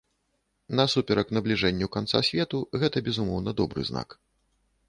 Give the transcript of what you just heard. Насуперак набліжэнню канца свету, гэта, безумоўна, добры знак.